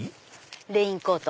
レインコート。